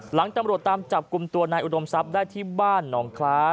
ตำรวจตามจับกลุ่มตัวนายอุดมทรัพย์ได้ที่บ้านหนองคล้า